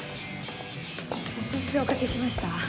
お手数おかけしました。